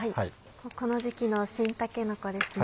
この時季の新たけのこですね。